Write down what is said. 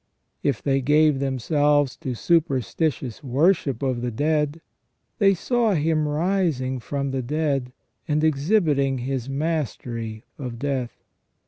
If they gave themselves to superstitious worship of the dead, they saw Him rising from the dead, and exhibiting His mastery of death.